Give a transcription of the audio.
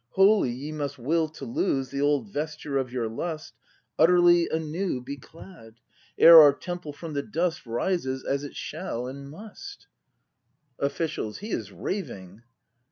Wholly ye must will to lose The old vesture of your lust. Utterly anew be clad, Ere our Temple from the dust Rises, as it shall and must! ACT V] BRAND 257 Officials. He is raving!